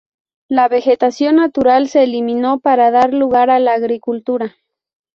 La vegetación natural se eliminó para dar lugar a la agricultura.